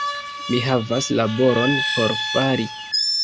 Mi havas laboron por fari